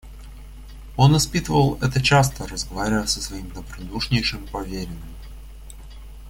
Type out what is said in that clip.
Он испытывал это часто, разговаривая со своим добродушнейшим поверенным.